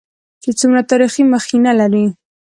چې څومره تاريخي مخينه لري.